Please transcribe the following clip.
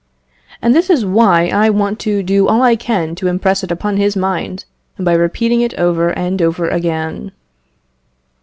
And this is why I want to do all I can to impress it upon his mind, by repeating it over and over again.